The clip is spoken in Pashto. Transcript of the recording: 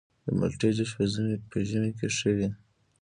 د مالټې جوس په ژمي کې ښه وي.